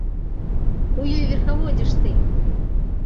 У ёй верхаводзіш ты!